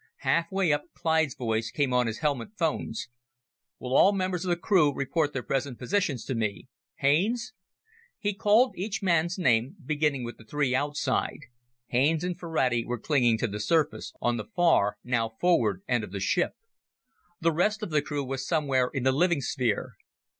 Halfway up, Clyde's voice came on his helmet phones. "Will all members of the crew report their present positions to me? Haines?" He called each man's name, beginning with the three outside. Haines and Ferrati were clinging to the surface, on the far now forward end of the ship. The rest of the crew was somewhere in the living sphere.